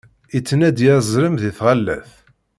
Ittnadi azrem di tɣalaṭ.